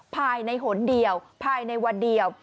ภายในหนเดียวภายในวันเดียว